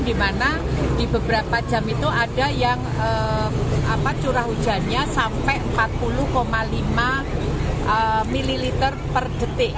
di mana di beberapa jam itu ada yang curah hujannya sampai empat puluh lima ml per detik